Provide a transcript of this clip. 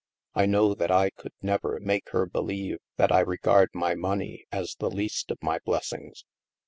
I know that I could never make her believe that I regard my money as the least of my blessings.